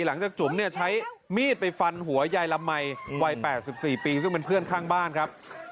หลังจากจุ๋มเนี่ยใช้มีดไปฟันหัวยายละมัยวัยแปดสิบสี่ปีซึ่งเป็นเพื่อนข้างบ้านครับ